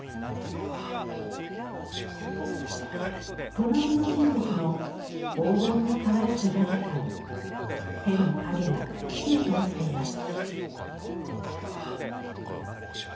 隣の人物の黄金に輝くジャケットに手の影がくっきりと落ちています。